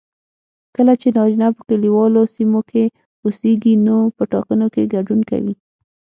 کله چې نارینه په کليوالو سیمو کې اوسیږي نو په ټاکنو کې ګډون کوي